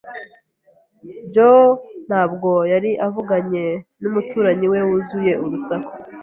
Joe ntabwo yari avuganye numuturanyi we wuzuye urusaku.